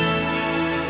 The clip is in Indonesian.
aku mau ke rumah